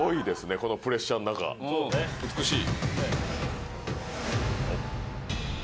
このプレッシャーの中美しい！